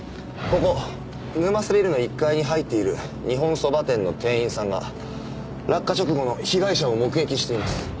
ここ沼瀬ビルの１階に入っている日本そば店の店員さんが落下直後の被害者を目撃しています。